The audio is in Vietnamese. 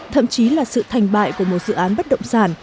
thậm chí là sự thành bại của một dự án bất động sản